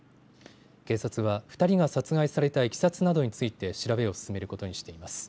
警察は２人が殺害されたいきさつなどについて調べを進めることにしています。